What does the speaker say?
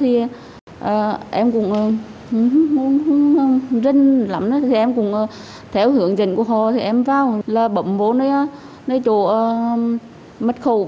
thì em cũng rinh lắm theo hướng dẫn của họ em vào là bấm vô nơi chỗ mất khẩu